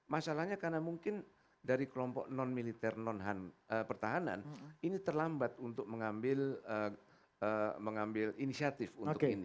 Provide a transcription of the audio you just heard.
masalahnya karena mungkin dari kelompok non militer non pertahanan ini terlambat untuk mengambil inisiatif untuk ini